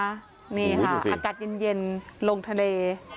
อากาศเย็นลงทะเล